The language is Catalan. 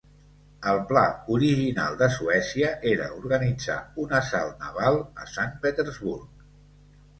El pla original de Suècia era organitzar un assalt naval a Sant Petersburg.